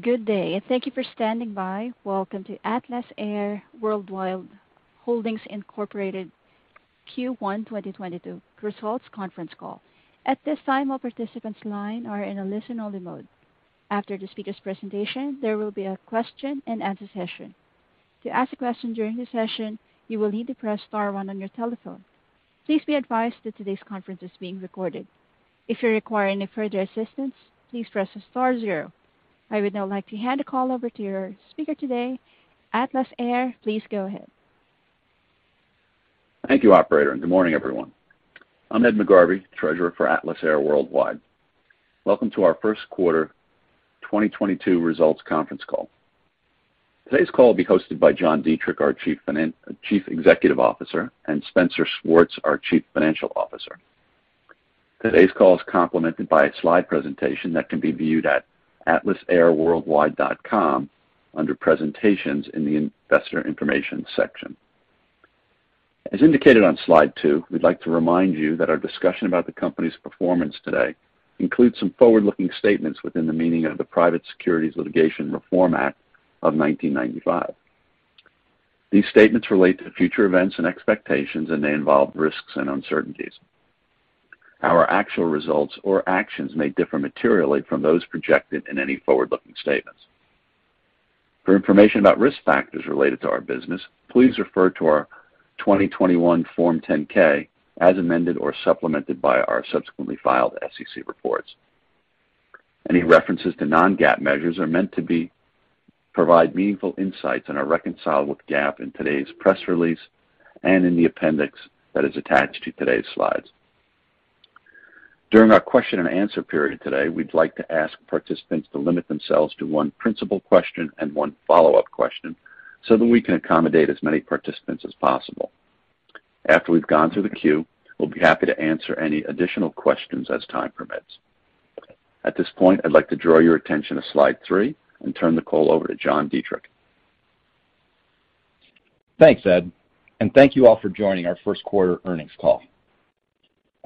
Good day, and thank you for standing by. Welcome to Atlas Air Worldwide Holdings, Inc. Q1 2022 Results Conference Call. At this time, all participants' lines are in a listen-only mode. After the speaker's presentation, there will be a question-and-answer session. To ask a question during the session, you will need to press star one on your telephone. Please be advised that today's conference is being recorded. If you require any further assistance, please press star zero. I would now like to hand the call over to your speaker today, Atlas Air. Please go ahead. Thank you, operator, and good morning, everyone. I'm Ed McGarvey, Treasurer for Atlas Air Worldwide. Welcome to our first quarter 2022 results conference call. Today's call will be hosted by John Dietrich, our Chief Executive Officer, and Spencer Schwartz, our Chief Financial Officer. Today's call is complemented by a slide presentation that can be viewed at atlasairworldwide.com under Presentations in the Investor Information section. As indicated on slide two, we'd like to remind you that our discussion about the company's performance today includes some forward-looking statements within the meaning of the Private Securities Litigation Reform Act of 1995. These statements relate to future events and expectations, and they involve risks and uncertainties. Our actual results or actions may differ materially from those projected in any forward-looking statements. For information about risk factors related to our business, please refer to our 2021 Form 10-K as amended or supplemented by our subsequently filed SEC reports. Any references to non-GAAP measures are meant to provide meaningful insights and are reconciled with GAAP in today's press release and in the appendix that is attached to today's slides. During our question-and-answer period today, we'd like to ask participants to limit themselves to one principal question and one follow-up question so that we can accommodate as many participants as possible. After we've gone through the queue, we'll be happy to answer any additional questions as time permits. At this point, I'd like to draw your attention to slide three and turn the call over to John Dietrich. Thanks, Ed, and thank you all for joining our first quarter earnings call.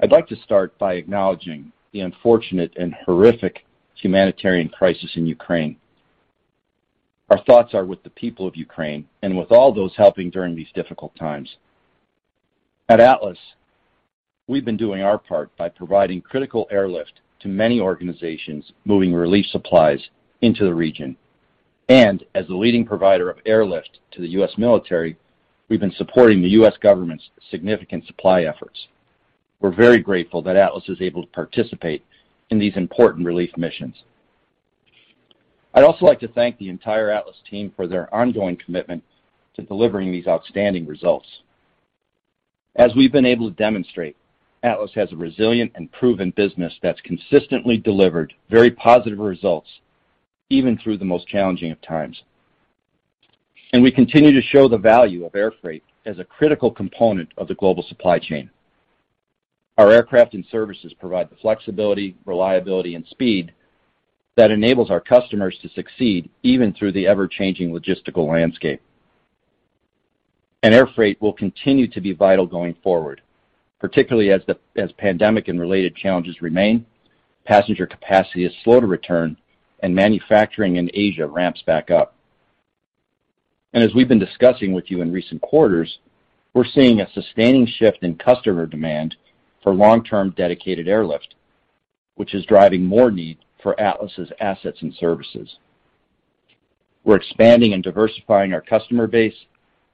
I'd like to start by acknowledging the unfortunate and horrific humanitarian crisis in Ukraine. Our thoughts are with the people of Ukraine and with all those helping during these difficult times. At Atlas, we've been doing our part by providing critical airlift to many organizations moving relief supplies into the region. As the leading provider of airlift to the U.S. military, we've been supporting the U.S. government's significant supply efforts. We're very grateful that Atlas is able to participate in these important relief missions. I'd also like to thank the entire Atlas team for their ongoing commitment to delivering these outstanding results. As we've been able to demonstrate, Atlas has a resilient and proven business that's consistently delivered very positive results even through the most challenging of times. We continue to show the value of air freight as a critical component of the global supply chain. Our aircraft and services provide the flexibility, reliability, and speed that enables our customers to succeed even through the ever-changing logistical landscape. Air freight will continue to be vital going forward, particularly as pandemic and related challenges remain, passenger capacity is slow to return, and manufacturing in Asia ramps back up. As we've been discussing with you in recent quarters, we're seeing a sustaining shift in customer demand for long-term dedicated airlift, which is driving more need for Atlas' assets and services. We're expanding and diversifying our customer base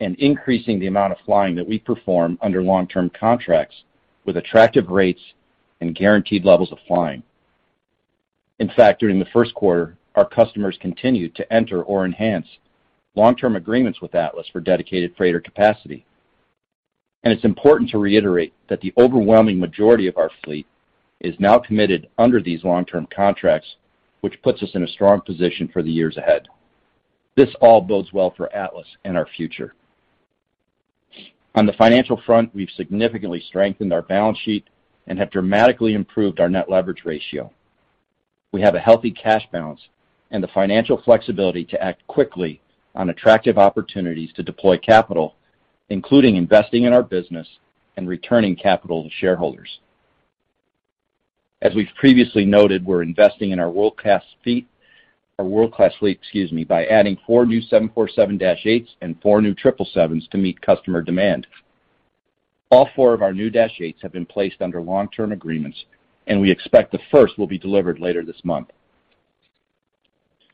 and increasing the amount of flying that we perform under long-term contracts with attractive rates and guaranteed levels of flying. In fact, during the first quarter, our customers continued to enter or enhance long-term agreements with Atlas for dedicated freighter capacity. It's important to reiterate that the overwhelming majority of our fleet is now committed under these long-term contracts, which puts us in a strong position for the years ahead. This all bodes well for Atlas and our future. On the financial front, we've significantly strengthened our balance sheet and have dramatically improved our net leverage ratio. We have a healthy cash balance and the financial flexibility to act quickly on attractive opportunities to deploy capital, including investing in our business and returning capital to shareholders. As we've previously noted, we're investing in our world-class fleet, excuse me, by adding four new 747-8s and four new 777s to meet customer demand. All four of our new dash eights have been placed under long-term agreements, and we expect the first will be delivered later this month.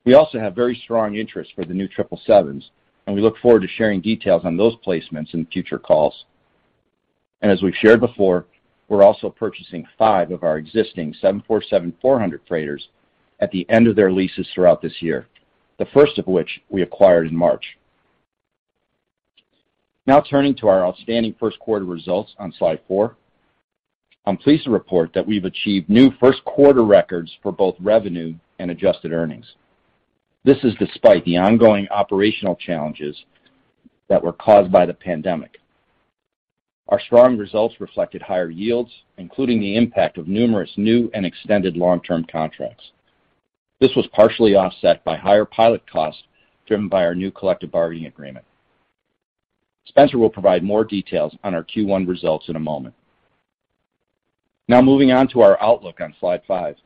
We also have very strong interest for the new triple sevens, and we look forward to sharing details on those placements in future calls. As we've shared before, we're also purchasing five of our existing Seven Four Seven four hundred freighters at the end of their leases throughout this year, the first of which we acquired in March. Now turning to our outstanding first quarter results on slide four. I'm pleased to report that we've achieved new first quarter records for both revenue and adjusted earnings. This is despite the ongoing operational challenges that were caused by the pandemic. Our strong results reflected higher yields, including the impact of numerous new and extended long-term contracts. This was partially offset by higher pilot costs driven by our new collective bargaining agreement. Spencer will provide more details on our Q1 results in a moment. Now moving on to our outlook on slide five.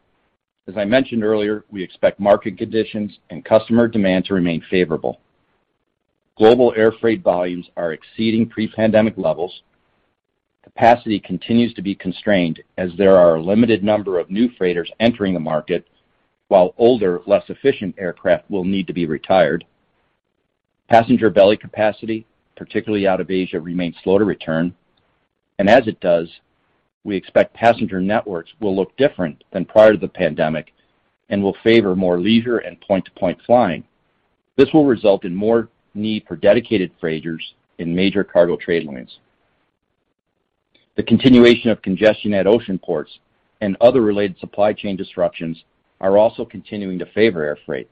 As I mentioned earlier, we expect market conditions and customer demand to remain favorable. Global air freight volumes are exceeding pre-pandemic levels. Capacity continues to be constrained as there are a limited number of new freighters entering the market while older, less efficient aircraft will need to be retired. Passenger belly capacity, particularly out of Asia, remains slow to return. As it does, we expect passenger networks will look different than prior to the pandemic and will favor more leisure and point-to-point flying. This will result in more need for dedicated freighters in major cargo trade lanes. The continuation of congestion at ocean ports and other related supply chain disruptions are also continuing to favor air freight.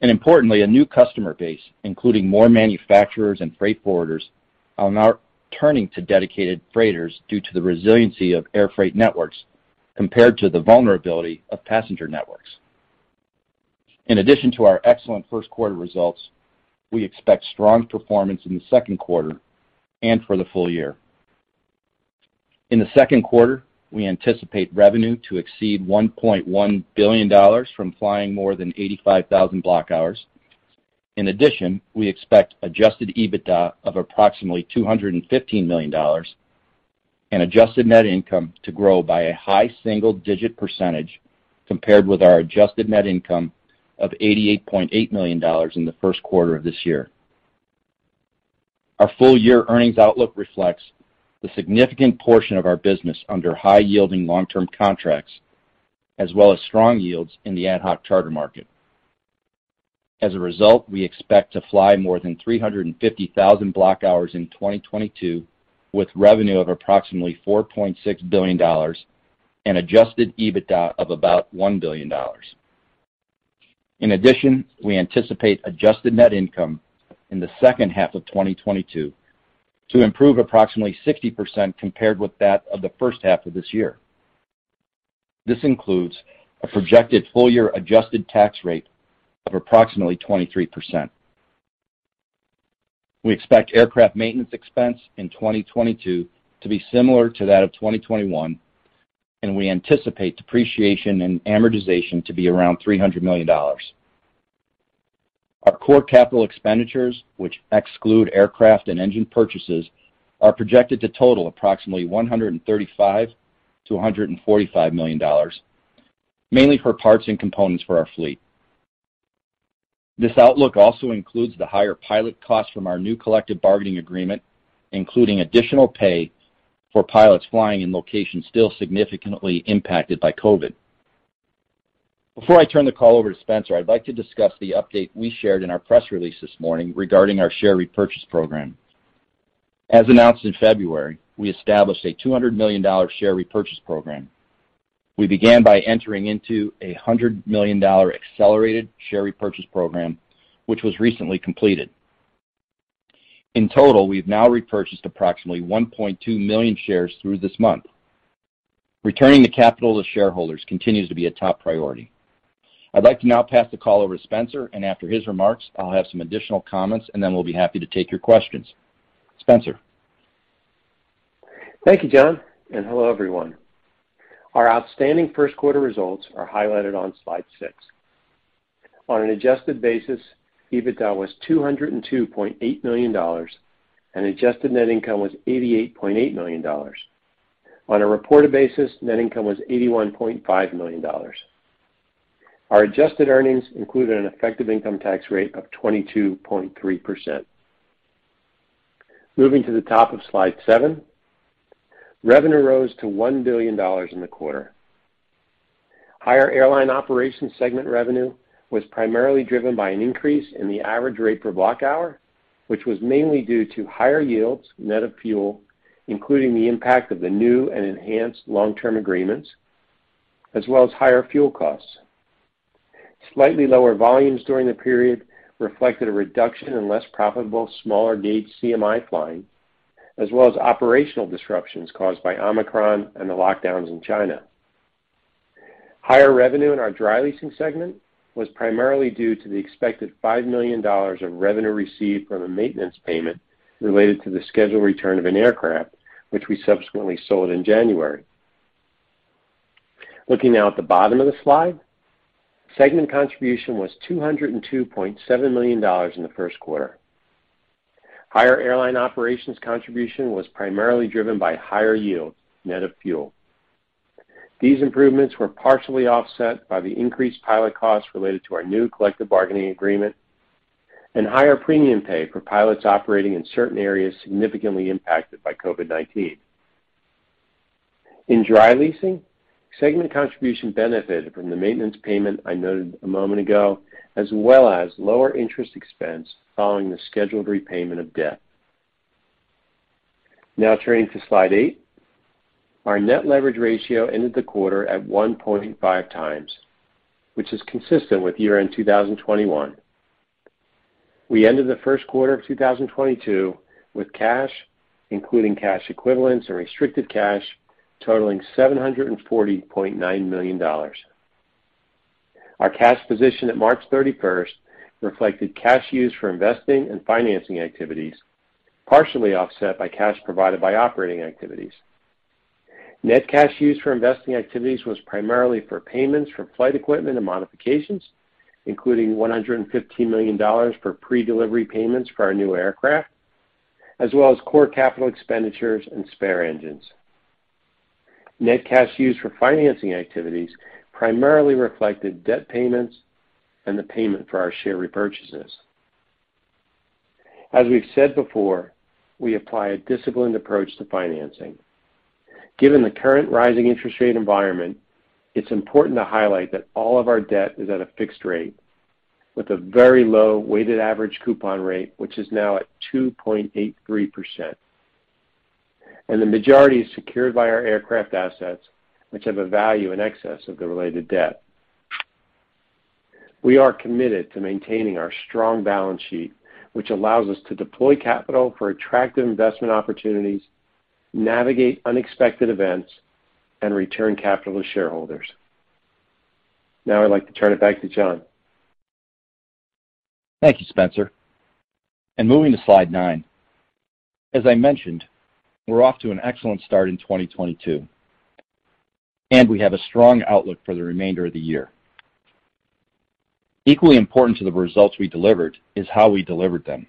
Importantly, a new customer base, including more manufacturers and freight forwarders, are now turning to dedicated freighters due to the resiliency of air freight networks compared to the vulnerability of passenger networks. In addition to our excellent first quarter results, we expect strong performance in the second quarter and for the full year. In the second quarter, we anticipate revenue to exceed $1.1 billion from flying more than 85,000 block hours. In addition, we expect Adjusted EBITDA of approximately $215 million and adjusted net income to grow by a high single-digit percentage compared with our adjusted net income of $88.8 million in the first quarter of this year. Our full-year earnings outlook reflects the significant portion of our business under high-yielding long-term contracts, as well as strong yields in the ad hoc charter market. As a result, we expect to fly more than 350,000 block hours in 2022, with revenue of approximately $4.6 billion and Adjusted EBITDA of about $1 billion. In addition, we anticipate adjusted net income in the second half of 2022 to improve approximately 60% compared with that of the first half of this year. This includes a projected full-year adjusted tax rate of approximately 23%. We expect aircraft maintenance expense in 2022 to be similar to that of 2021, and we anticipate depreciation and amortization to be around $300 million. Our core capital expenditures, which exclude aircraft and engine purchases, are projected to total approximately $135 million-$145 million, mainly for parts and components for our fleet. This outlook also includes the higher pilot costs from our new collective bargaining agreement, including additional pay for pilots flying in locations still significantly impacted by COVID. Before I turn the call over to Spencer, I'd like to discuss the update we shared in our press release this morning regarding our share repurchase program. As announced in February, we established a $200 million share repurchase program. We began by entering into a $100 million accelerated share repurchase program, which was recently completed. In total, we've now repurchased approximately 1.2 million shares through this month. Returning the capital to shareholders continues to be a top priority. I'd like to now pass the call over to Spencer, and after his remarks, I'll have some additional comments, and then we'll be happy to take your questions. Spencer? Thank you, John, and hello, everyone. Our outstanding first quarter results are highlighted on slide six. On an adjusted basis, EBITDA was $202.8 million, and adjusted net income was $88.8 million. On a reported basis, net income was $81.5 million. Our adjusted earnings included an effective income tax rate of 22.3%. Moving to the top of slide seven, revenue rose to $1 billion in the quarter. Higher airline operations segment revenue was primarily driven by an increase in the average rate per block hour, which was mainly due to higher yields net of fuel, including the impact of the new and enhanced long-term agreements, as well as higher fuel costs. Slightly lower volumes during the period reflected a reduction in less profitable smaller gauge CMI flying, as well as operational disruptions caused by Omicron and the lockdowns in China. Higher revenue in our dry leasing segment was primarily due to the expected $5 million of revenue received from a maintenance payment related to the scheduled return of an aircraft, which we subsequently sold in January. Looking now at the bottom of the slide, segment contribution was $202.7 million in the first quarter. Higher airline operations contribution was primarily driven by higher yields net of fuel. These improvements were partially offset by the increased pilot costs related to our new collective bargaining agreement and higher premium pay for pilots operating in certain areas significantly impacted by COVID-19. In dry leasing, segment contribution benefited from the maintenance payment I noted a moment ago, as well as lower interest expense following the scheduled repayment of debt. Now turning to slide 8. Our net leverage ratio ended the quarter at 1.5 times, which is consistent with year-end 2021. We ended the first quarter of 2022 with cash, including cash equivalents and restricted cash, totaling $740.9 million. Our cash position at March 31st reflected cash used for investing and financing activities, partially offset by cash provided by operating activities. Net cash used for investing activities was primarily for payments for flight equipment and modifications, including $115 million for pre-delivery payments for our new aircraft, as well as core capital expenditures and spare engines. Net cash used for financing activities primarily reflected debt payments and the payment for our share repurchases. As we've said before, we apply a disciplined approach to financing. Given the current rising interest rate environment, it's important to highlight that all of our debt is at a fixed rate with a very low weighted average coupon rate, which is now at 2.83%. The majority is secured by our aircraft assets, which have a value in excess of the related debt. We are committed to maintaining our strong balance sheet, which allows us to deploy capital for attractive investment opportunities, navigate unexpected events, and return capital to shareholders. Now I'd like to turn it back to John. Thank you, Spencer. Moving to slide nine. As I mentioned, we're off to an excellent start in 2022, and we have a strong outlook for the remainder of the year. Equally important to the results we delivered is how we delivered them.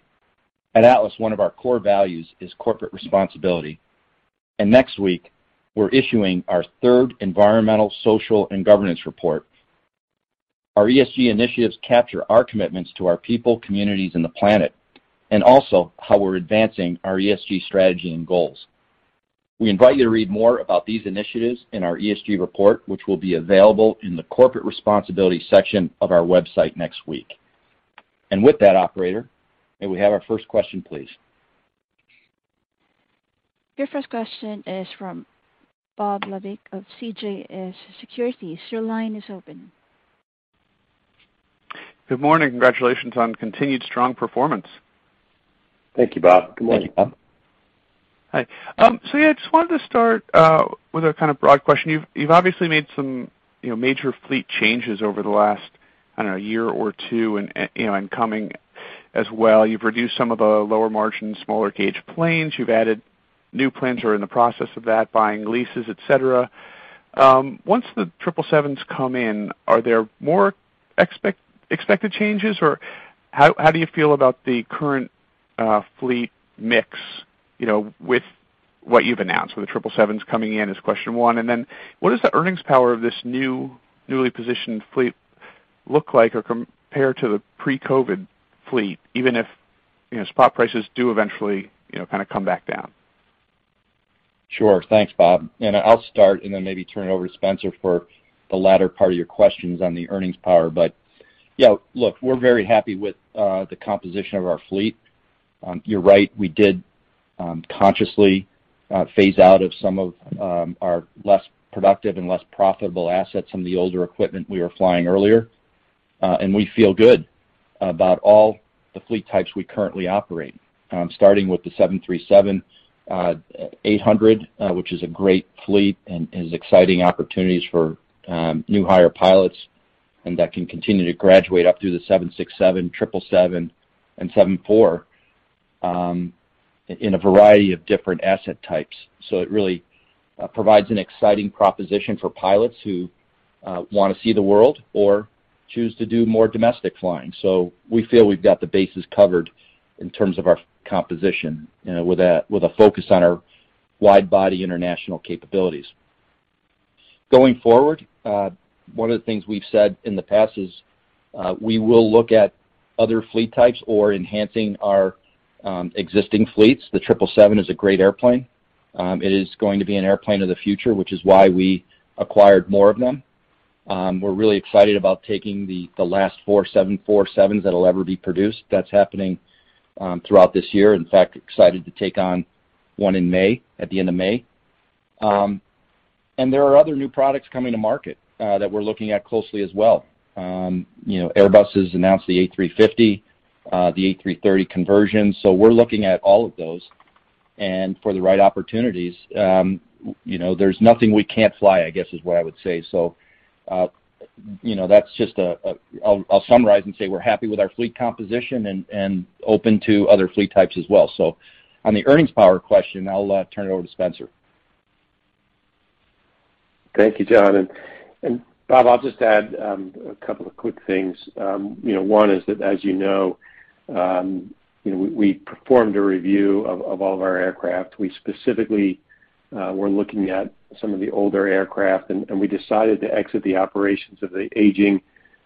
At Atlas, one of our core values is corporate responsibility. Next week, we're issuing our third environmental, social, and governance report. Our ESG initiatives capture our commitments to our people, communities, and the planet, and also how we're advancing our ESG strategy and goals. We invite you to read more about these initiatives in our ESG report, which will be available in the corporate responsibility section of our website next week. With that, operator, may we have our first question, please? Your first question is from Bob Labick of CJS Securities. Your line is open. Good morning. Congratulations on continued strong performance. Thank you, Bob. Good morning. Thank you, Bob. Hi. Yeah, I just wanted to start with a kind of broad question. You've obviously made some, you know, major fleet changes over the last, I don't know, year or two, and coming as well. You've reduced some of the lower margin, smaller gauge planes. You've added new planes or are in the process of that, buying leases, et cetera. Once the 777s come in, are there more expected changes? Or how do you feel about the current fleet mix, you know, with what you've announced with the 777s coming in? That's question one. What is the earnings power of this new, newly positioned fleet look like or compared to the pre-COVID fleet, even if, you know, spot prices do eventually, you know, kind of come back down? Sure. Thanks, Bob. I'll start and then maybe turn it over to Spencer for the latter part of your questions on the earnings power. You know, look, we're very happy with the composition of our fleet. You're right, we did consciously phase out of some of our less productive and less profitable assets from the older equipment we were flying earlier. We feel good about all the fleet types we currently operate, starting with the 737, 800, which is a great fleet and has exciting opportunities for new hire pilots, and that can continue to graduate up through the 767, 777, and 74, in a variety of different asset types. It really provides an exciting proposition for pilots who wanna see the world or choose to do more domestic flying. We feel we've got the bases covered in terms of our composition, you know, with a focus on our wide-body international capabilities. Going forward, one of the things we've said in the past is, we will look at other fleet types or enhancing our existing fleets. The 777 is a great airplane. It is going to be an airplane of the future, which is why we acquired more of them. We're really excited about taking the last 4 747s that'll ever be produced. That's happening throughout this year. In fact, excited to take on one in May, at the end of May. There are other new products coming to market that we're looking at closely as well. You know, Airbus has announced the A350F, the A330 conversion. We're looking at all of those. For the right opportunities, you know, there's nothing we can't fly, I guess, is what I would say. You know, I'll summarize and say we're happy with our fleet composition and open to other fleet types as well. On the earnings power question, I'll turn it over to Spencer. Thank you, John. Bob, I'll just add a couple of quick things. You know, one is that, as you know, you know, we performed a review of all of our aircraft. We specifically were looking at some of the older aircraft, and we decided to exit the operations of the aging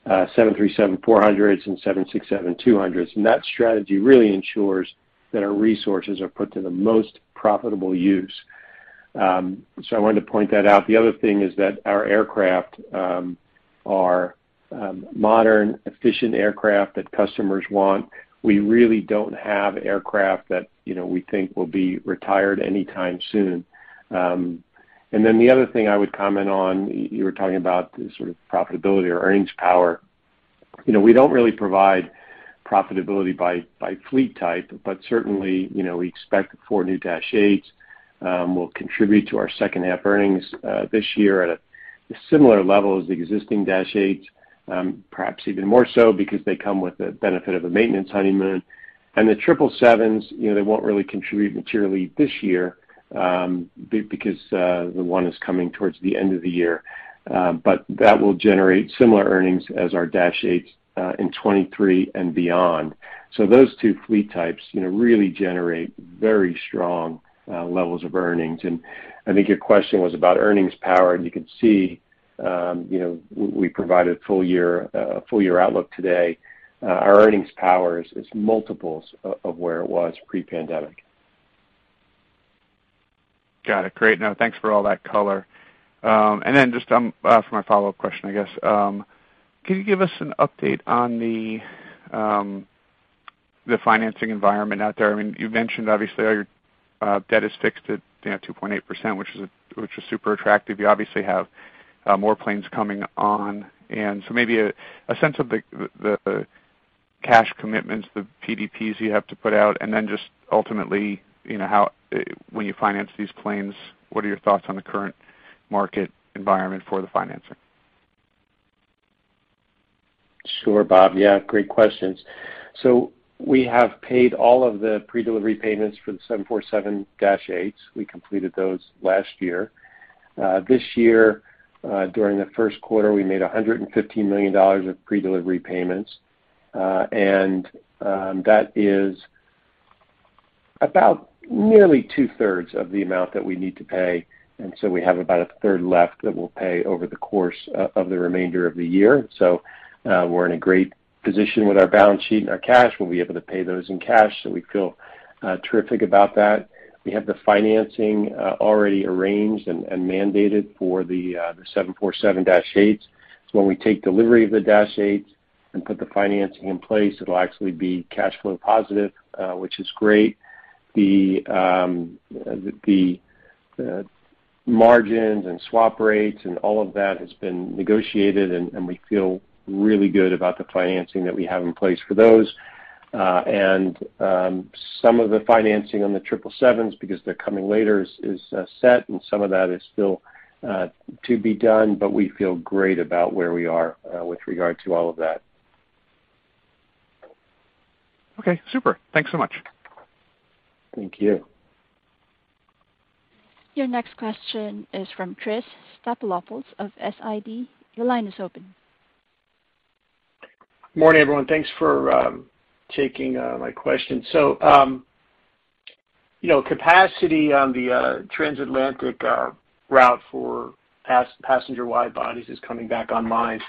737-400s and 767-200s. That strategy really ensures that our resources are put to the most profitable use. So I wanted to point that out. The other thing is that our aircraft are modern, efficient aircraft that customers want. We really don't have aircraft that, you know, we think will be retired anytime soon. The other thing I would comment on, you were talking about the sort of profitability or earnings power. You know, we don't really provide profitability by fleet type, but certainly, you know, we expect the four new dash eights will contribute to our second half earnings this year at a similar level as the existing dash eights, perhaps even more so because they come with the benefit of a maintenance honeymoon. The triple sevens, you know, they won't really contribute materially this year because the one is coming towards the end of the year. That will generate similar earnings as our dash eights in 2023 and beyond. Those two fleet types, you know, really generate very strong levels of earnings. I think your question was about earnings power. You can see, you know, we provided full year outlook today. Our earnings power is multiples of where it was pre-pandemic. Got it. Great. Now, thanks for all that color. Just for my follow-up question, I guess, can you give us an update on the financing environment out there? I mean, you mentioned obviously all your debt is fixed at, you know, 2.8%, which is super attractive. You obviously have more planes coming on. Maybe a sense of the cash commitments, the PDPs you have to put out, and then just ultimately, you know, how, when you finance these planes, what are your thoughts on the current market environment for the financing? Sure, Bob. Yeah, great questions. We have paid all of the pre-delivery payments for the 747-8s. We completed those last year. This year, during the first quarter, we made $115 million of pre-delivery payments. That is about nearly two-thirds of the amount that we need to pay, and we have about a third left that we'll pay over the course of the remainder of the year. We're in a great position with our balance sheet and our cash. We'll be able to pay those in cash, so we feel terrific about that. We have the financing already arranged and mandated for the 747-8s. When we take delivery of the dash eights and put the financing in place, it'll actually be cash flow positive, which is great. The margins and swap rates and all of that has been negotiated, and we feel really good about the financing that we have in place for those. Some of the financing on the triple sevens, because they're coming later, is set, and some of that is still to be done, but we feel great about where we are with regard to all of that. Okay, super. Thanks so much. Thank you. Your next question is from Chris Stathoulopoulos of SIG. Your line is open. Morning, everyone. Thanks for taking my question. You know, capacity on the transatlantic route for passenger wide bodies is coming back online.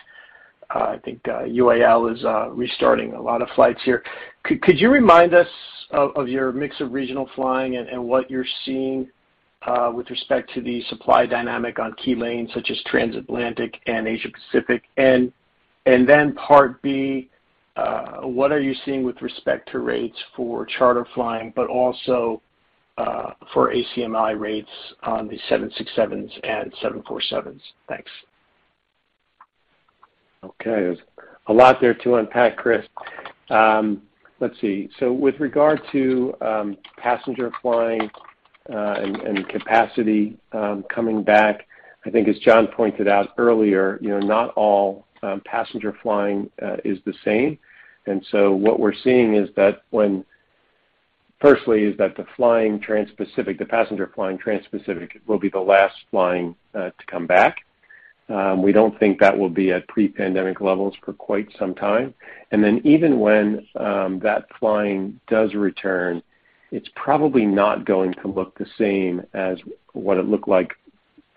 I think UAL is restarting a lot of flights here. Could you remind us of your mix of regional flying and what you're seeing with respect to the supply dynamic on key lanes such as transatlantic and Asia-Pacific? Part B, what are you seeing with respect to rates for charter flying, but also, for ACMI rates on the 767s and 747s? Thanks. Okay. There's a lot there to unpack, Chris. Let's see. With regard to passenger flying and capacity coming back, I think as John pointed out earlier, you know, not all passenger flying is the same. What we're seeing is that the transpacific passenger flying will be the last flying to come back. We don't think that will be at pre-pandemic levels for quite some time. Even when that flying does return, it's probably not going to look the same as what it looked like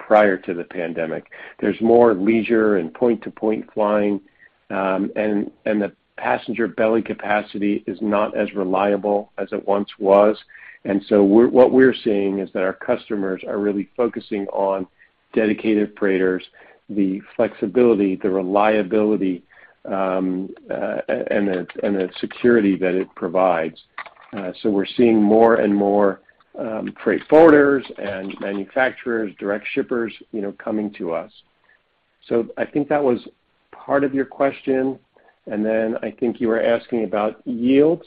prior to the pandemic. There's more leisure and point-to-point flying, and the passenger belly capacity is not as reliable as it once was. What we're seeing is that our customers are really focusing on dedicated freighters, the flexibility, the reliability, and the security that it provides. We're seeing more and more freight forwarders and manufacturers, direct shippers, you know, coming to us. I think that was part of your question, and then I think you were asking about yields.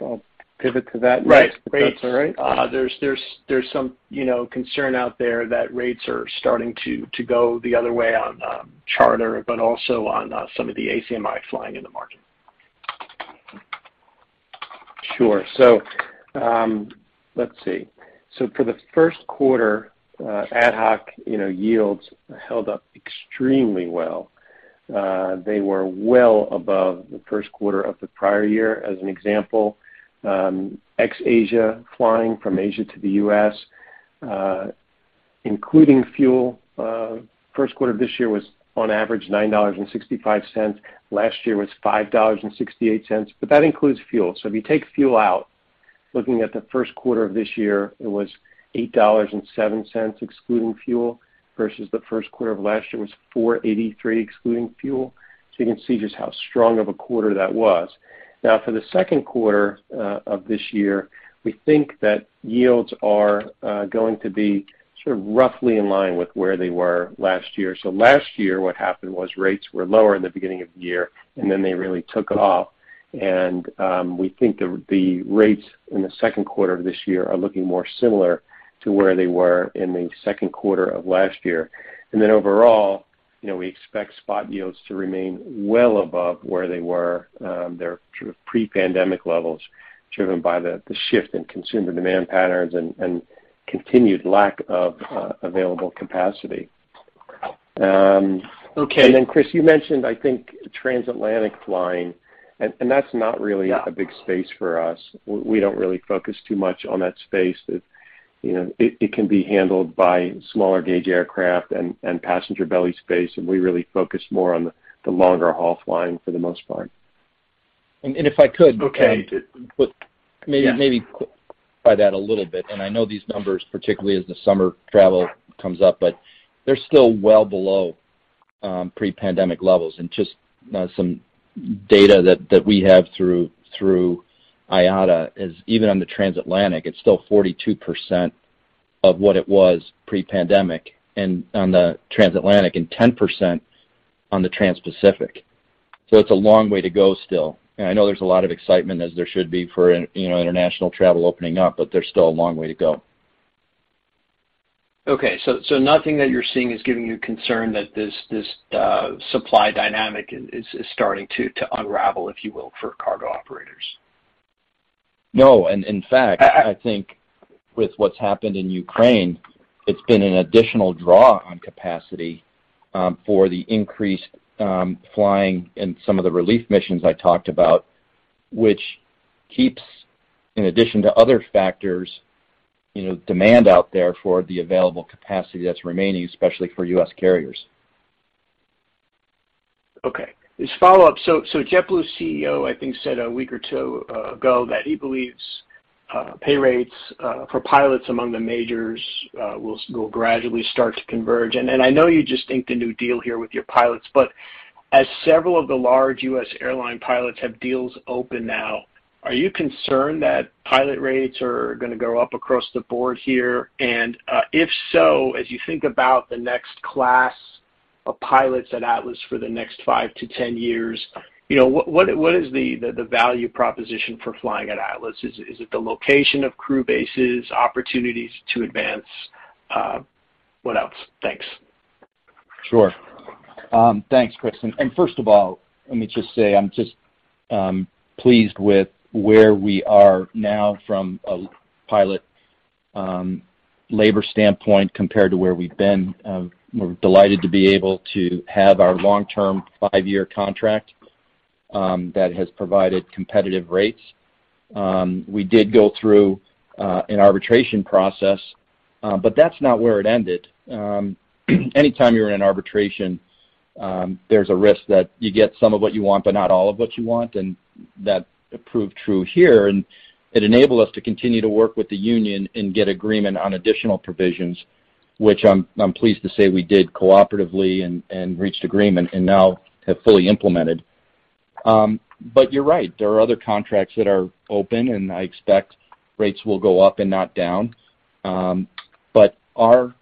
I'll pivot to that next. Right. Rates. If that's all right. There's some, you know, concern out there that rates are starting to go the other way on charter, but also on some of the ACMI flying in the market. Sure. Let's see. For the first quarter, ad hoc, you know, yields held up extremely well. They were well above the first quarter of the prior year. As an example, ex-Asia, flying from Asia to the US, including fuel, first quarter of this year was on average $9.65. Last year was $5.68, but that includes fuel. If you take fuel out, looking at the first quarter of this year, it was $8.07 excluding fuel, versus the first quarter of last year was $4.83 excluding fuel. You can see just how strong of a quarter that was. Now, for the second quarter of this year, we think that yields are going to be sort of roughly in line with where they were last year. Last year, what happened was rates were lower in the beginning of the year, and then they really took off. We think the rates in the second quarter of this year are looking more similar to where they were in the second quarter of last year. Then overall. You know, we expect spot yields to remain well above where they were, their sort of pre-pandemic levels, driven by the shift in consumer demand patterns and continued lack of available capacity. Okay. Chris, you mentioned, I think, transatlantic flying, and that's not really. Yeah... a big space for us. We don't really focus too much on that space that, you know, it can be handled by smaller gauge aircraft and passenger belly space, and we really focus more on the longer haul flying for the most part. If I could. Okay. But maybe- Yeah Maybe clarify that a little bit, and I know these numbers, particularly as the summer travel comes up, but they're still well below pre-pandemic levels. Just some data that we have through IATA is even on the transatlantic, it's still 42% of what it was pre-pandemic and 10% on the transpacific. It's a long way to go still. I know there's a lot of excitement as there should be for, you know, international travel opening up, but there's still a long way to go. Okay. Nothing that you're seeing is giving you concern that this supply dynamic is starting to unravel, if you will, for cargo operators? No. In fact, I think with what's happened in Ukraine, it's been an additional draw on capacity, for the increased flying and some of the relief missions I talked about, which keeps, in addition to other factors, you know, demand out there for the available capacity that's remaining, especially for U.S. carriers. Okay. Just follow up. JetBlue CEO, I think, said a week or two ago that he believes pay rates for pilots among the majors will gradually start to converge. I know you just inked a new deal here with your pilots, but as several of the large U.S. airline pilots have deals open now, are you concerned that pilot rates are gonna go up across the board here? If so, as you think about the next class of pilots at Atlas for the next 5-10 years, you know, what is the value proposition for flying at Atlas? Is it the location of crew bases, opportunities to advance? What else? Thanks. Sure. Thanks, Chris. First of all, let me just say I'm just pleased with where we are now from a pilot labor standpoint compared to where we've been. We're delighted to be able to have our long-term five-year contract that has provided competitive rates. We did go through an arbitration process, but that's not where it ended. Anytime you're in arbitration, there's a risk that you get some of what you want, but not all of what you want, and that proved true here. It enabled us to continue to work with the union and get agreement on additional provisions, which I'm pleased to say we did cooperatively and reached agreement and now have fully implemented. You're right, there are other contracts that are open, and I expect rates will go up and not down. Our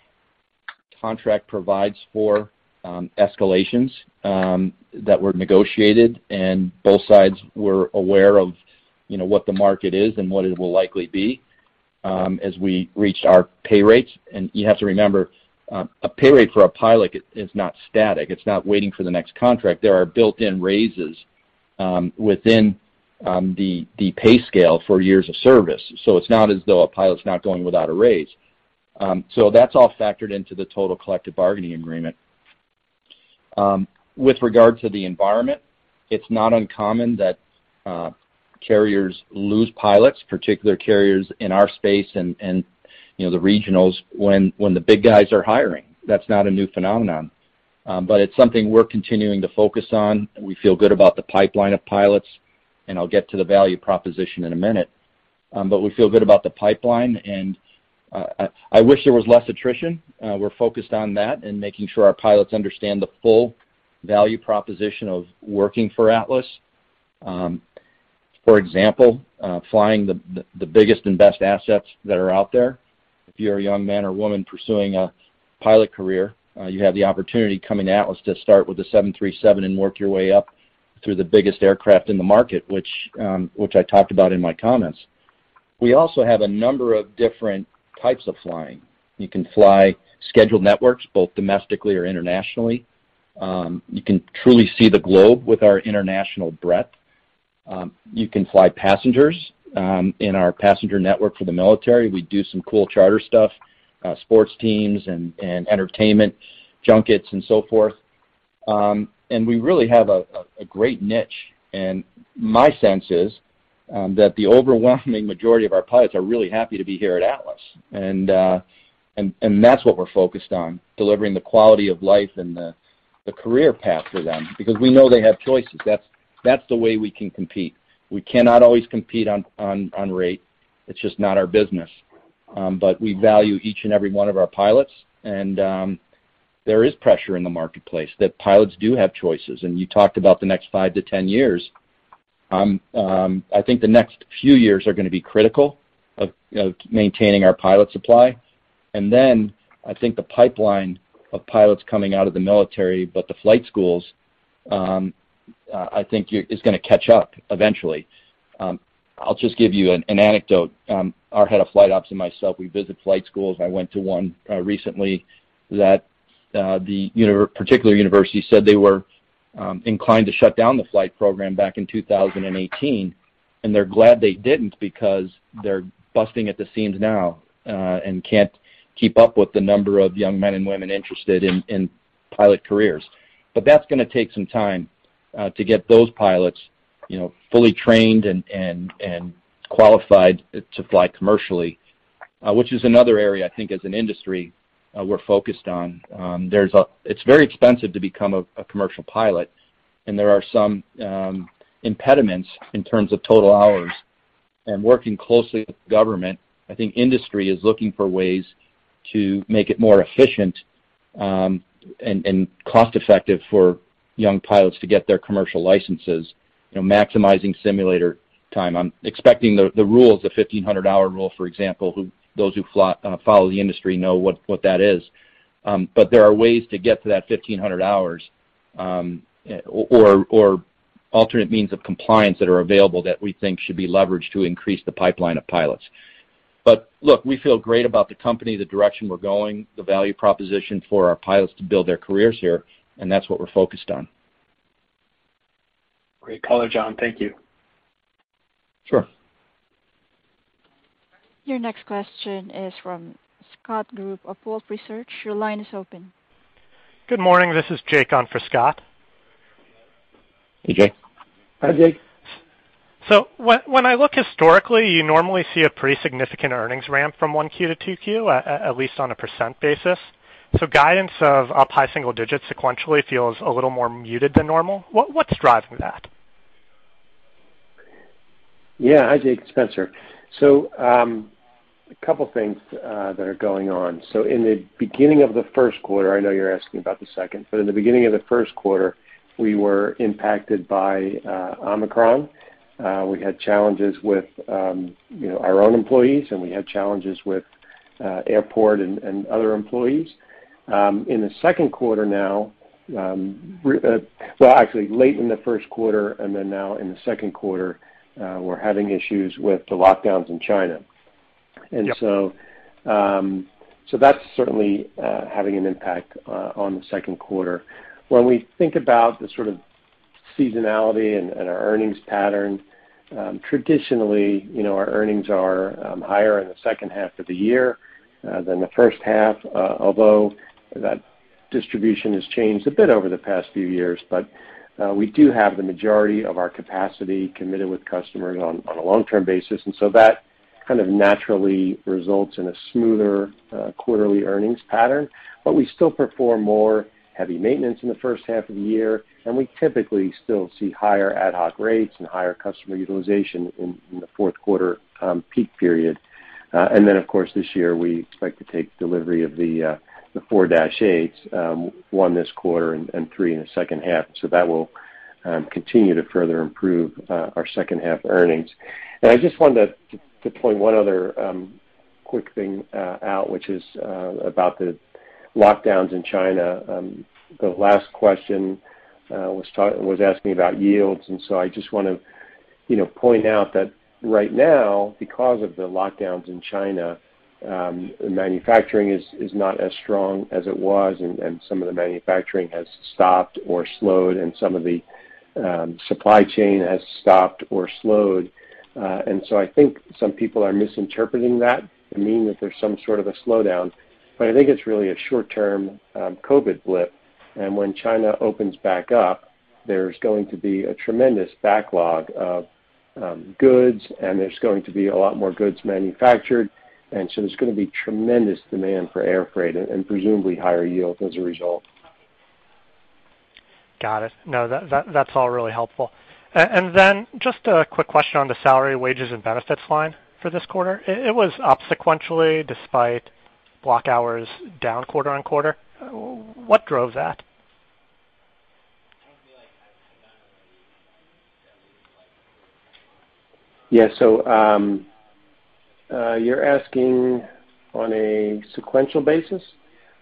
contract provides for escalations that were negotiated, and both sides were aware of, you know, what the market is and what it will likely be, as we reached our pay rates. You have to remember, a pay rate for a pilot is not static. It's not waiting for the next contract. There are built-in raises within the pay scale for years of service. It's not as though a pilot's not going without a raise. That's all factored into the total collective bargaining agreement. With regard to the environment, it's not uncommon that carriers lose pilots, particular carriers in our space and, you know, the regionals when the big guys are hiring. That's not a new phenomenon. It's something we're continuing to focus on. We feel good about the pipeline of pilots, and I'll get to the value proposition in a minute. We feel good about the pipeline, and I wish there was less attrition. We're focused on that and making sure our pilots understand the full value proposition of working for Atlas. For example, flying the biggest and best assets that are out there. If you're a young man or woman pursuing a pilot career, you have the opportunity coming to Atlas to start with a 737 and work your way up through the biggest aircraft in the market, which I talked about in my comments. We also have a number of different types of flying. You can fly scheduled networks, both domestically or internationally. You can truly see the globe with our international breadth. You can fly passengers in our passenger network for the military. We do some cool charter stuff, sports teams and entertainment junkets and so forth. We really have a great niche, and my sense is that the overwhelming majority of our pilots are really happy to be here at Atlas. That's what we're focused on, delivering the quality of life and the career path for them because we know they have choices. That's the way we can compete. We cannot always compete on rate. It's just not our business. We value each and every one of our pilots and there is pressure in the marketplace that pilots do have choices. You talked about the next 5-10 years. I think the next few years are gonna be critical to maintaining our pilot supply. Then I think the pipeline of pilots coming out of the military, but the flight schools. I think it is gonna catch up eventually. I'll just give you an anecdote. Our head of flight ops and myself, we visit flight schools. I went to one recently that a particular university said they were inclined to shut down the flight program back in 2018, and they're glad they didn't because they're busting at the seams now and can't keep up with the number of young men and women interested in pilot careers. That's gonna take some time to get those pilots, you know, fully trained and qualified to fly commercially, which is another area I think as an industry, we're focused on. It's very expensive to become a commercial pilot, and there are some impediments in terms of total hours. Working closely with government, I think industry is looking for ways to make it more efficient and cost-effective for young pilots to get their commercial licenses, you know, maximizing simulator time. I'm expecting the rules, the 1,500-hour rule, for example. Those who follow the industry know what that is. There are ways to get to that 1,500 hours, or alternate means of compliance that are available that we think should be leveraged to increase the pipeline of pilots. Look, we feel great about the company, the direction we're going, the value proposition for our pilots to build their careers here, and that's what we're focused on. Great color, John. Thank you. Sure. Your next question is from Scott Group of Wolfe Research. Your line is open. Good morning. This is Jake on for Scott. Hey, Jake. Hi, Jake. When I look historically, you normally see a pretty significant earnings ramp from 1Q-2Q, at least on a % basis. Guidance of up high single digits sequentially feels a little more muted than normal. What's driving that? Yeah. Hi, Jake. It's Spencer. A couple things that are going on. In the beginning of the first quarter, I know you're asking about the second. In the beginning of the first quarter, we were impacted by Omicron. We had challenges with you know, our own employees, and we had challenges with airport and other employees. In the second quarter now, well, actually late in the first quarter and then now in the second quarter, we're having issues with the lockdowns in China. Yep. That's certainly having an impact on the second quarter. When we think about the sort of seasonality and our earnings pattern, traditionally, you know, our earnings are higher in the second half of the year than the first half, although that distribution has changed a bit over the past few years. We do have the majority of our capacity committed with customers on a long-term basis, and so that kind of naturally results in a smoother quarterly earnings pattern. We still perform more heavy maintenance in the first half of the year, and we typically still see higher ad hoc rates and higher customer utilization in the fourth quarter peak period. Of course, this year we expect to take delivery of the four 747-8s, one this quarter and three in the second half. That will continue to further improve our second half earnings. I just wanted to point out one other quick thing, which is about the lockdowns in China. The last question was asking about yields, and so I just wanna, you know, point out that right now because of the lockdowns in China, manufacturing is not as strong as it was, and some of the manufacturing has stopped or slowed, and some of the supply chain has stopped or slowed. I think some people are misinterpreting that to mean that there's some sort of a slowdown, but I think it's really a short-term, COVID blip. When China opens back up, there's going to be a tremendous backlog of goods, and there's going to be a lot more goods manufactured, and so there's gonna be tremendous demand for air freight and presumably higher yields as a result. Got it. No, that's all really helpful. And then just a quick question on the salary, wages, and benefits line for this quarter. It was up sequentially despite block hours down quarter-on-quarter. What drove that? Yeah. You're asking on a sequential basis?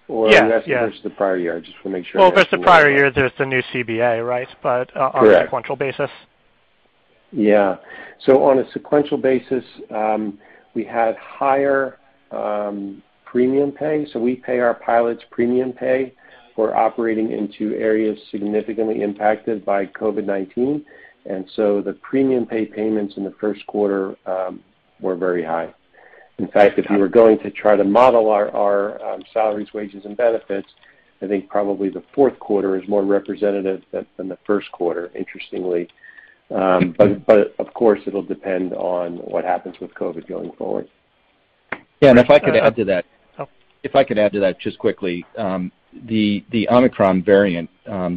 Yeah. Yeah. I'm asking versus the prior year, just wanna make sure I understand that. Well, versus the prior year, there's the new CBA, right? Correct. On a sequential basis. Yeah. On a sequential basis, we had higher premium pay. We pay our pilots premium pay for operating into areas significantly impacted by COVID-19. The premium pay payments in the first quarter were very high. In fact, if you were going to try to model our salaries, wages, and benefits, I think probably the fourth quarter is more representative than the first quarter, interestingly. Of course, it'll depend on what happens with COVID going forward. Yeah. If I could add to that. Oh. If I could add to that just quickly. The Omicron variant,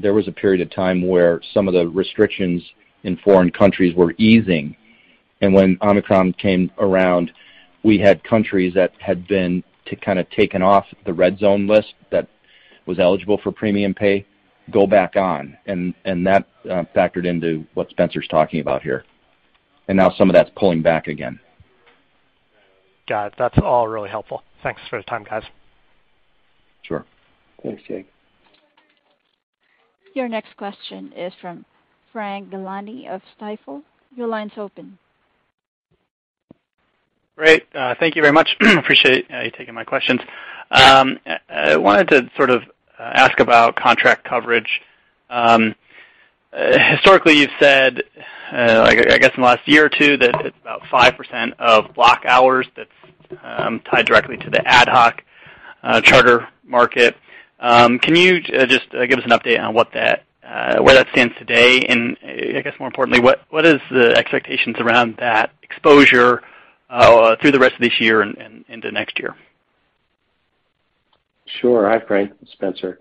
there was a period of time where some of the restrictions in foreign countries were easing. When Omicron came around, we had countries that had been kind of taken off the red zone list that was eligible for premium pay go back on, and that factored into what Spencer's talking about here. Now some of that's pulling back again. Got it. That's all really helpful. Thanks for the time, guys. Sure. Thanks, Jake. Your next question is from Frank Galanti of Stifel. Your line's open. Great. Thank you very much. Appreciate you taking my questions. I wanted to sort of ask about contract coverage. Historically, you've said, I guess, in the last year or two that it's about 5% of block hours that's tied directly to the ad hoc charter market. Can you just give us an update on where that stands today? I guess more importantly, what is the expectations around that exposure through the rest of this year and into next year? Sure. Hi, Frank, it's Spencer.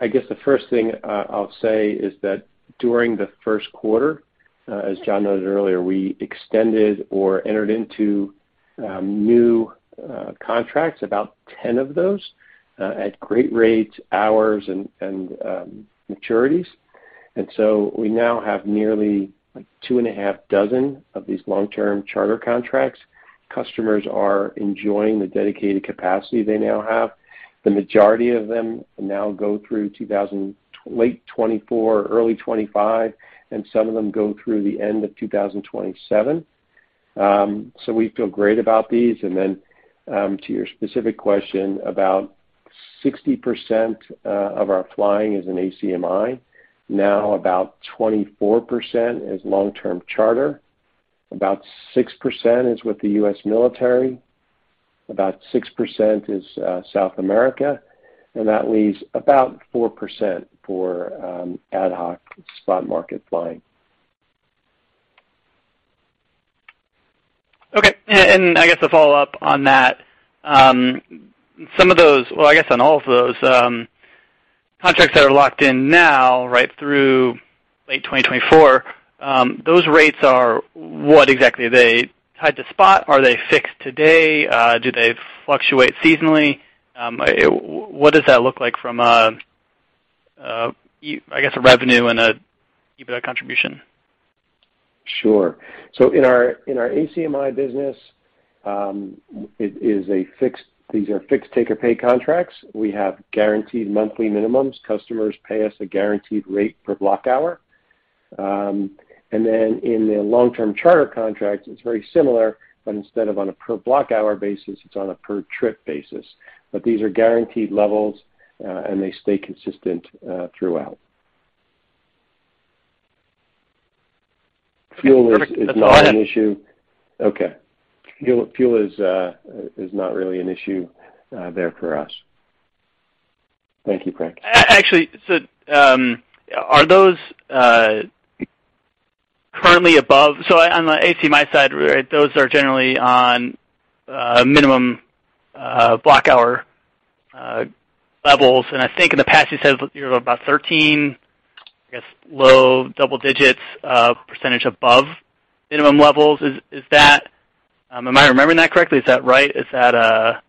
I guess the first thing I'll say is that during the first quarter, as John noted earlier, we extended or entered into new contracts, about 10 of those at great rates, hours, and maturities. We now have nearly 30 of these long-term charter contracts. Customers are enjoying the dedicated capacity they now have. The majority of them now go through late 2024, early 2025, and some of them go through the end of 2027. We feel great about these. To your specific question, about 60% of our flying is in ACMI. About 24% is long-term charter. About 6% is with the U.S. military. About 6% is South America, and that leaves about 4% for ad hoc spot market flying. Okay. I guess to follow up on that, I guess on all of those contracts that are locked in now, right through late 2024, those rates are what exactly? Are they tied to spot? Are they fixed today? Do they fluctuate seasonally? What does that look like from a, I guess, a revenue and a EBITDA contribution? Sure. In our ACMI business, these are fixed take or pay contracts. We have guaranteed monthly minimums. Customers pay us a guaranteed rate per block hour. In the long-term charter contracts, it's very similar, but instead of on a per block hour basis, it's on a per trip basis. These are guaranteed levels, and they stay consistent throughout. Perfect. That's all I had. Fuel is not an issue. Okay. Fuel is not really an issue there for us. Thank you, Frank. Actually, are those currently above? On the ACMI side, right, those are generally on minimum block-hour levels. I think in the past you said you're about 13%, I guess, low double-digit percentage above minimum levels. Am I remembering that correctly? Is that right? Is that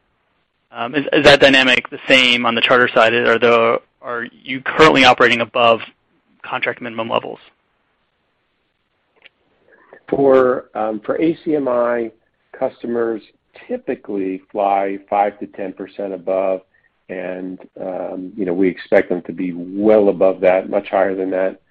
dynamic the same on the charter side? Are you currently operating above contract minimum levels? For ACMI, customers typically fly 5%-10% above, and, you know, we expect them to be well above that, much higher than that,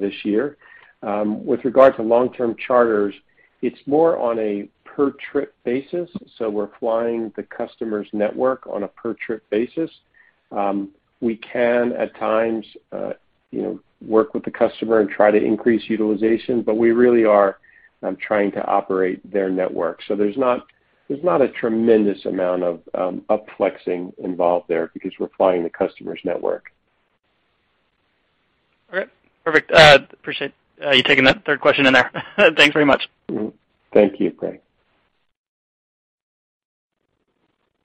this year. With regard to long-term charters, it's more on a per trip basis, so we're flying the customer's network on a per trip basis. We can at times, you know, work with the customer and try to increase utilization, but we really are trying to operate their network. There's not a tremendous amount of up flexing involved there because we're flying the customer's network. All right. Perfect. Appreciate you taking that third question in there. Thanks very much. Thank you, Frank.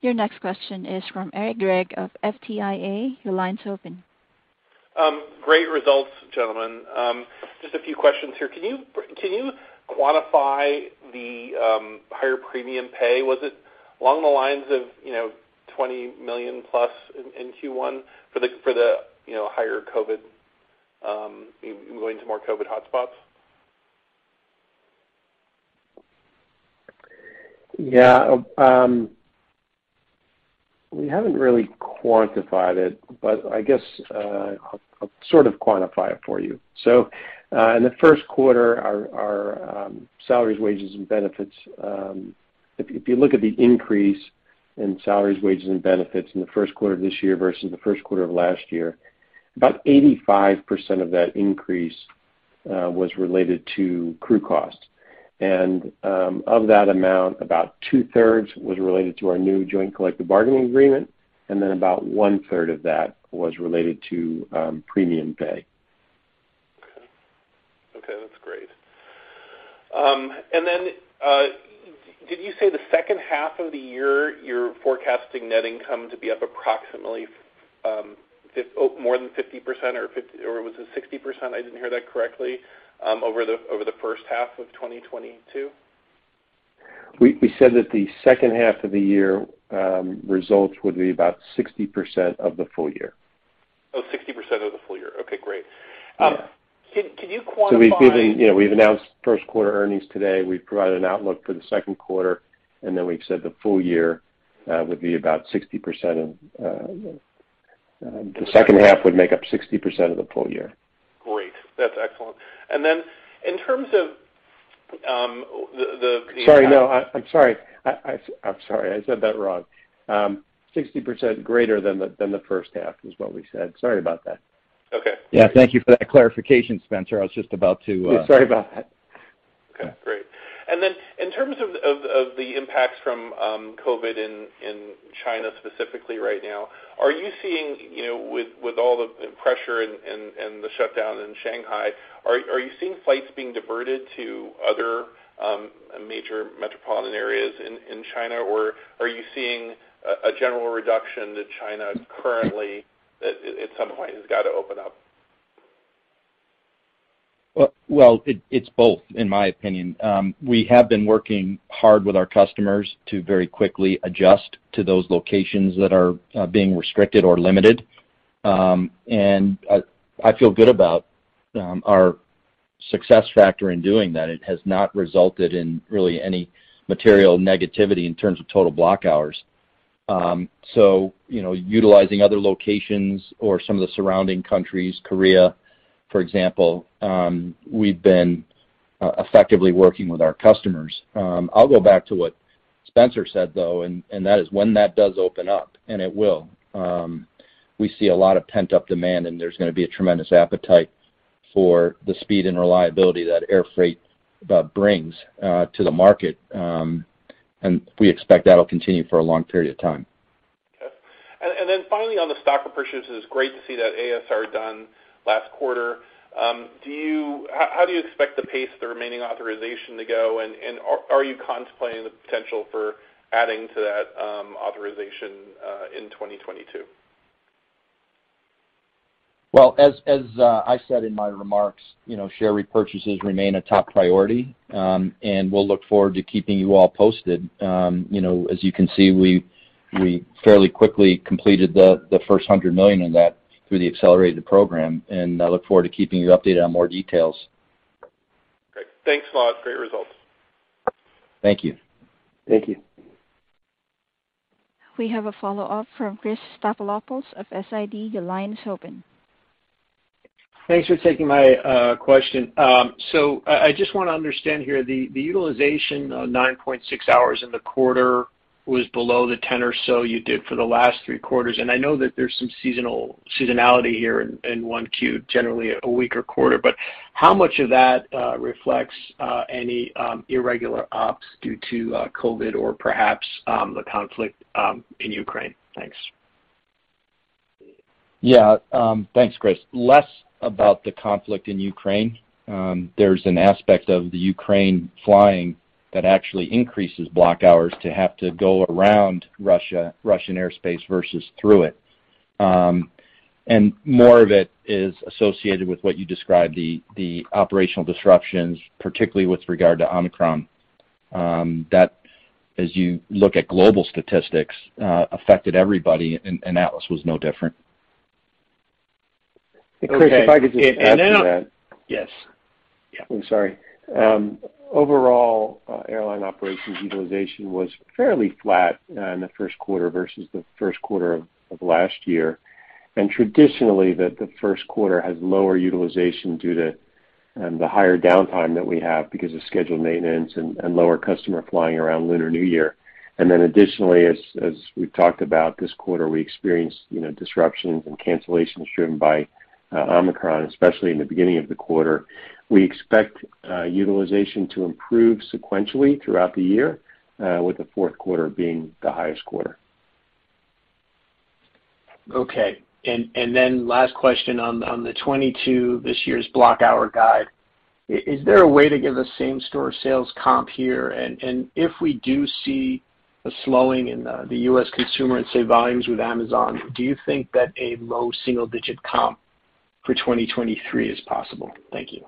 Your next question is from Eric Gregg of FTIA. Your line's open. Great results, gentlemen. Just a few questions here. Can you quantify the higher premium pay? Was it along the lines of, you know, $20 million plus in Q1 for the higher COVID going to more COVID hotspots? Yeah. We haven't really quantified it, but I guess I'll sort of quantify it for you. In the first quarter, our salaries, wages, and benefits, if you look at the increase in salaries, wages, and benefits in the first quarter of this year versus the first quarter of last year, about 85% of that increase was related to crew costs. Of that amount, about two-thirds was related to our new joint collective bargaining agreement, and then about one-third of that was related to premium pay. Okay. Okay, that's great. Did you say the second half of the year, you're forecasting net income to be up approximately more than 50% or was it 60%, I didn't hear that correctly, over the first half of 2022? We said that the second half of the year, results would be about 60% of the full year. Oh, 60% of the full year. Okay, great. Yeah. Could you quantify- We've given, you know, we've announced first quarter earnings today, we've provided an outlook for the second quarter, and then we've said the full year, the second half would make up 60% of the full year. Great. That's excellent. In terms of the Sorry, no, I'm sorry. I said that wrong. 60% greater than the first half is what we said. Sorry about that. Okay. Yeah. Thank you for that clarification, Spencer. I was just about to. Yeah, sorry about that. Okay, great. In terms of the impacts from COVID in China specifically right now, are you seeing, you know, with all the pressure and the shutdown in Shanghai, are you seeing flights being diverted to other major metropolitan areas in China, or are you seeing a general reduction that China currently at some point has got to open up? It's both, in my opinion. We have been working hard with our customers to very quickly adjust to those locations that are being restricted or limited. I feel good about our success factor in doing that. It has not resulted in really any material negativity in terms of total block hours. You know, utilizing other locations or some of the surrounding countries, Korea, for example, we've been effectively working with our customers. I'll go back to what Spencer said, though, and that is when that does open up, and it will, we see a lot of pent-up demand, and there's gonna be a tremendous appetite for the speed and reliability that air freight brings to the market. We expect that'll continue for a long period of time. Okay. Finally, on the stock repurchase, it's great to see that ASR done last quarter. How do you expect the pace of the remaining authorization to go? Are you contemplating the potential for adding to that authorization in 2022? Well, as I said in my remarks, you know, share repurchases remain a top priority, and we'll look forward to keeping you all posted. You know, as you can see, we fairly quickly completed the first $100 million on that through the accelerated program, and I look forward to keeping you updated on more details. Great. Thanks a lot. Great results. Thank you. Thank you. We have a follow-up from Chris Stathoulopoulos of SIG. Your line is open. Thanks for taking my question. So I just wanna understand here, the utilization of 9.6 hours in the quarter was below the 10 or so you did for the last three quarters, and I know that there's some seasonality here in 1Q, generally a weaker quarter. How much of that reflects any irregular ops due to COVID or perhaps the conflict in Ukraine? Thanks. Yeah. Thanks, Chris. Less about the conflict in Ukraine. There's an aspect of the Ukraine flying that actually increases block hours to have to go around Russia, Russian airspace versus through it. More of it is associated with what you described, the operational disruptions, particularly with regard to Omicron, that, as you look at global statistics, affected everybody and Atlas was no different. Chris, if I could just add to that. Yes. Yeah. I'm sorry. Overall, airline operations utilization was fairly flat in the first quarter versus the first quarter of last year. Traditionally, the first quarter has lower utilization due to the higher downtime that we have because of scheduled maintenance and lower customer flying around Lunar New Year. Additionally, as we've talked about, this quarter, we experienced, you know, disruptions and cancellations driven by Omicron, especially in the beginning of the quarter. We expect utilization to improve sequentially throughout the year with the fourth quarter being the highest quarter. Okay. Last question on the 2022, this year's block hour guide. Is there a way to give a same-store sales comp here? If we do see a slowing in the U.S. consumer in, say, volumes with Amazon, do you think that a low single-digit comp for 2023 is possible? Thank you.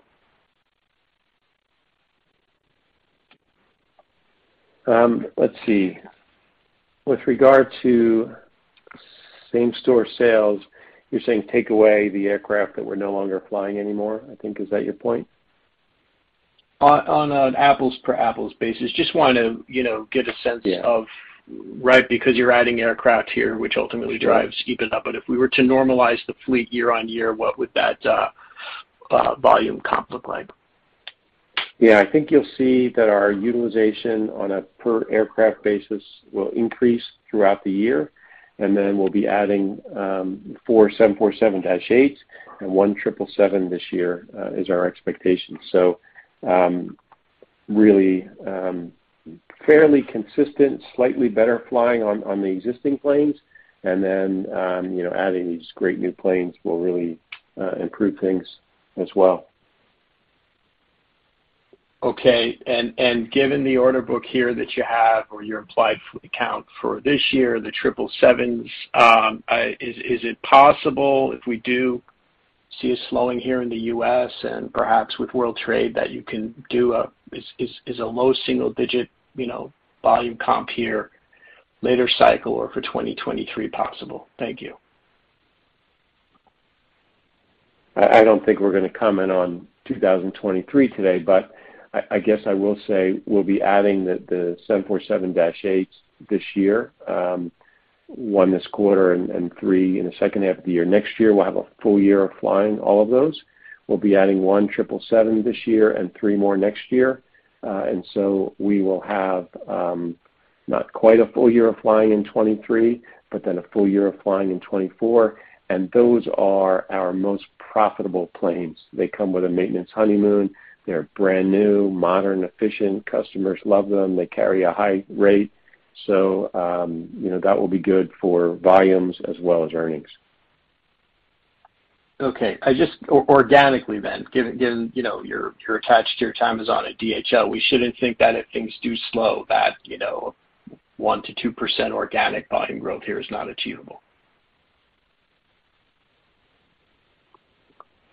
Let's see. With regard to same-store sales, you're saying take away the aircraft that we're no longer flying anymore, I think. Is that your point? On an apples-to-apples basis. Just wanna, you know, get a sense. Yeah. Right? Because you're adding aircraft here, which ultimately drives. Sure. ASKs up. If we were to normalize the fleet year-over-year, what would that volume comp look like? Yeah. I think you'll see that our utilization on a per aircraft basis will increase throughout the year, and then we'll be adding four 747-8s and one 777 this year is our expectation. Really, fairly consistent, slightly better flying on the existing planes and then you know, adding these great new planes will really improve things as well. Okay. Given the order book here that you have or your implied fleet count for this year, the triple sevens, is it possible if we do see a slowing here in the U.S. and perhaps with world trade that you can do a low single digit, you know, volume comp here later cycle or for 2023 possible? Thank you. I don't think we're gonna comment on 2023 today, but I guess I will say we'll be adding the 747-8 this year, one this quarter and three in the second half of the year. Next year, we'll have a full year of flying all of those. We'll be adding one 777 this year and three more next year. We will have not quite a full year of flying in 2023, but then a full year of flying in 2024, and those are our most profitable planes. They come with a maintenance honeymoon. They're brand-new, modern, efficient. Customers love them. They carry a high rate. You know, that will be good for volumes as well as earnings. Okay. Organically then given, you know, you're attached to your time zone at DHL. We shouldn't think that if things do slow that, you know, 1%-2% organic volume growth here is not achievable.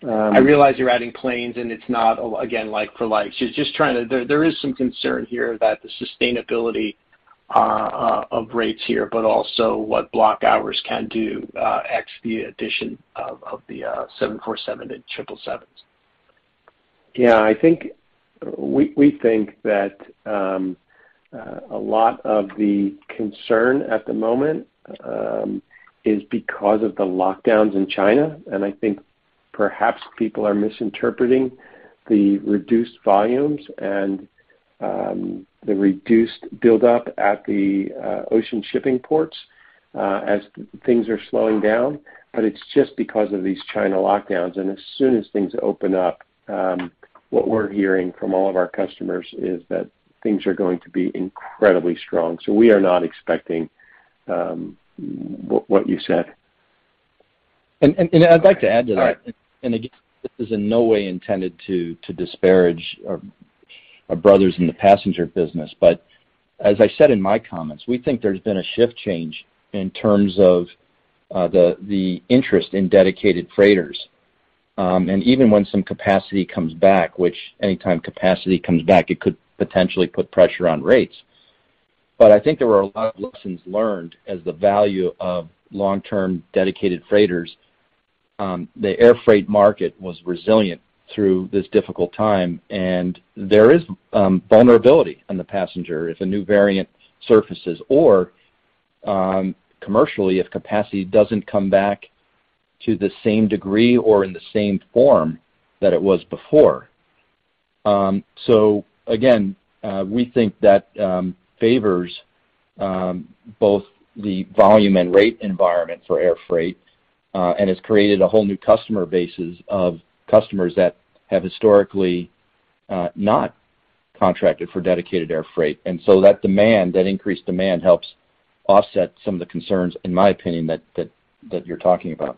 I realize you're adding planes, and it's not again, like for like. There is some concern here that the sustainability of rates here, but also what block hours can do ex the addition of the seven four seven and triple sevens. Yeah. I think we think that a lot of the concern at the moment is because of the lockdowns in China, and I think perhaps people are misinterpreting the reduced volumes and the reduced buildup at the ocean shipping ports as things are slowing down. But it's just because of these China lockdowns, and as soon as things open up, what we're hearing from all of our customers is that things are going to be incredibly strong. We are not expecting what you said. I'd like to add to that. All right. Again, this is in no way intended to disparage our brothers in the passenger business. As I said in my comments, we think there's been a shift change in terms of the interest in dedicated freighters. Even when some capacity comes back, which anytime capacity comes back, it could potentially put pressure on rates. I think there were a lot of lessons learned as the value of long-term dedicated freighters, the air freight market was resilient through this difficult time, and there is vulnerability on the passenger if a new variant surfaces or commercially if capacity doesn't come back to the same degree or in the same form that it was before. We think that favors both the volume and rate environment for air freight and has created a whole new customer bases of customers that have historically not contracted for dedicated air freight. That demand, that increased demand helps offset some of the concerns, in my opinion, that you're talking about.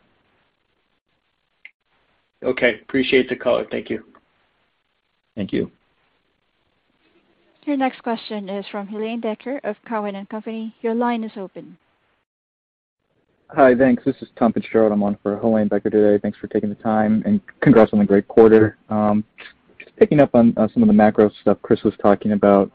Okay. Appreciate the color. Thank you. Thank you. Your next question is from Helane Becker of Cowen and Company. Your line is open. Hi. Thanks. This is Tom Fitzgerald. I'm on for Helane Becker today. Thanks for taking the time, and congrats on the great quarter. Just picking up on some of the macro stuff Chris was talking about.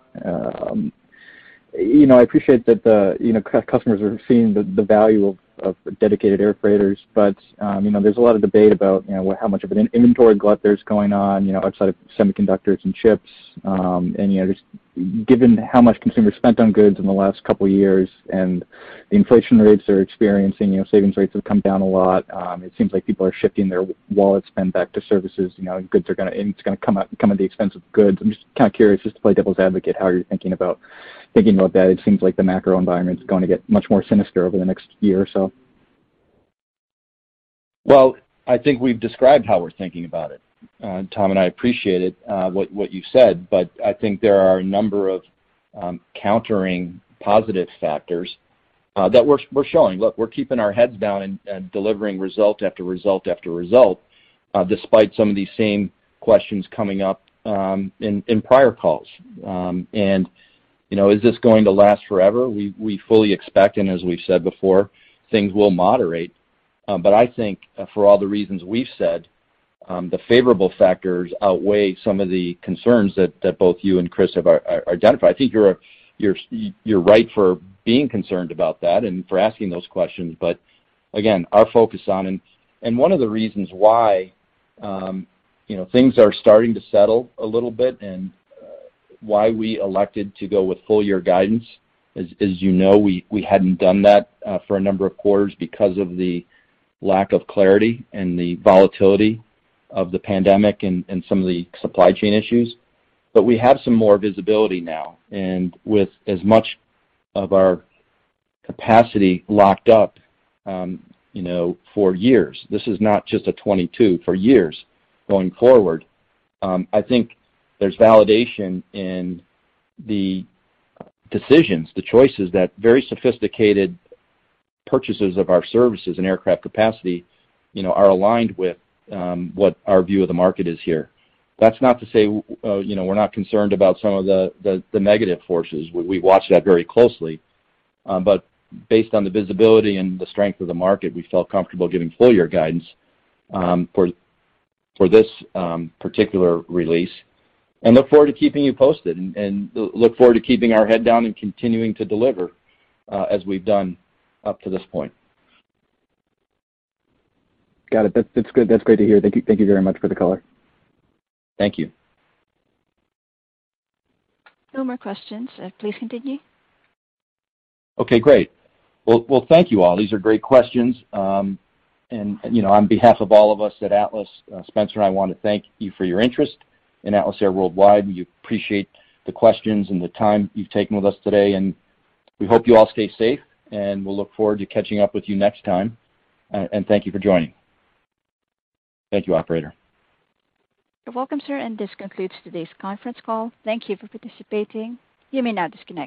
You know, I appreciate that, you know, customers are seeing the value of dedicated air freighters, but, you know, there's a lot of debate about, you know, how much of an inventory glut there's going on, you know, outside of semiconductors and chips. You know, just given how much consumers spent on goods in the last couple years and the inflation rates they're experiencing, you know, savings rates have come down a lot. It seems like people are shifting their wallet spend back to services, you know, and it's gonna come at the expense of goods. I'm just kind of curious, just to play devil's advocate, how you're thinking about that. It seems like the macro environment is going to get much more sinister over the next year or so. Well, I think we've described how we're thinking about it, Tom, and I appreciate it, what you said, but I think there are a number of countering positive factors that we're showing. Look, we're keeping our heads down and delivering result after result after result, despite some of these same questions coming up in prior calls. You know, is this going to last forever? We fully expect, and as we've said before, things will moderate. I think for all the reasons we've said, the favorable factors outweigh some of the concerns that both you and Chris have identified. I think you're right for being concerned about that and for asking those questions. Again, our focus on and one of the reasons why, you know, things are starting to settle a little bit and why we elected to go with full year guidance is you know we hadn't done that for a number of quarters because of the lack of clarity and the volatility of the pandemic and some of the supply chain issues. We have some more visibility now, and with as much of our capacity locked up, you know, for years, this is not just a 2022, for years going forward. I think there's validation in the decisions, the choices that very sophisticated purchasers of our services and aircraft capacity, you know, are aligned with what our view of the market is here. That's not to say, you know, we're not concerned about some of the negative forces. We watch that very closely. Based on the visibility and the strength of the market, we felt comfortable giving full year guidance for this particular release, and look forward to keeping you posted and look forward to keeping our head down and continuing to deliver, as we've done up to this point. Got it. That's good. That's great to hear. Thank you. Thank you very much for the color. Thank you. No more questions. Please continue. Okay, great. Well, thank you all. You know, on behalf of all of us at Atlas, Spencer and I want to thank you for your interest in Atlas Air Worldwide. We appreciate the questions and the time you've taken with us today, and we hope you all stay safe, and we'll look forward to catching up with you next time. Thank you for joining. Thank you, operator. You're welcome, sir. This concludes today's conference call. Thank you for participating. You may now disconnect.